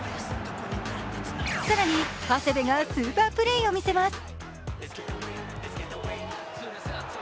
更に長谷部がスーパープレーを見せます。